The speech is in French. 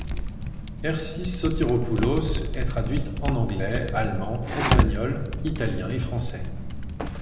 Ersi Sotiropoulos est traduite en anglais, allemand, espagnol, italien et français.